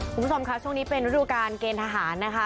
คุณผู้ชมค่ะช่วงนี้เป็นฤดูการเกณฑ์ทหารนะคะ